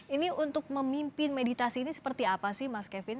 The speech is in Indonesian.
ini untuk memimpin meditasi ini seperti apa sih mas kevin